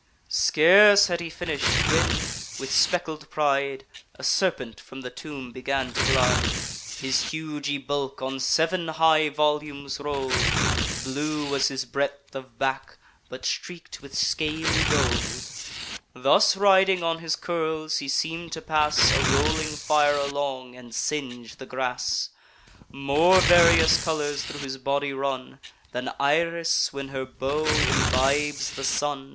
Scarce had he finish'd, when, with speckled pride, A serpent from the tomb began to glide; His hugy bulk on sev'n high volumes roll'd; Blue was his breadth of back, but streak'd with scaly gold: Thus riding on his curls, he seem'd to pass A rolling fire along, and singe the grass. More various colours thro' his body run, Than Iris when her bow imbibes the sun.